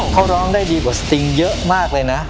เขาร้องได้ดีกว่าสติงเยอะมากเลยนะ